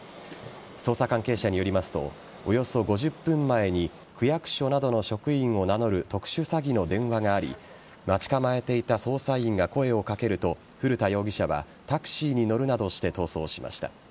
捜査関係者によりますとおよそ５０分前に区役所などの職員を名乗る特殊詐欺の電話があり待ち構えていた捜査員が声を掛けると古田容疑者はタクシーに乗るなどして逃走しました。